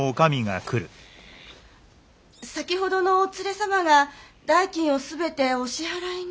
先ほどのお連れ様が代金をすべてお支払いに。